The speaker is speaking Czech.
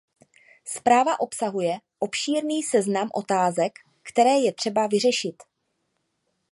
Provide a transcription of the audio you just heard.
Zpráva obsahuje obšírný seznam otázek, které je třeba vyřešit.